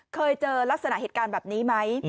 เคยเจอลักษณะเหตุการณ์แบบนี้ไหม